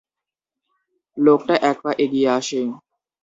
লোকটা এক পা এগিয়ে আসে।